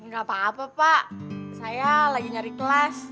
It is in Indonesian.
gak apa apa pak saya lagi nyari kelas